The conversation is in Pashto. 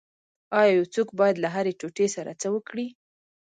ایا یو څوک باید له هرې ټوټې سره څه وکړي